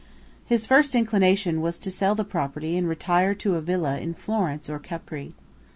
His first inclination was to sell the property and retire to a villa in Florence or Capri.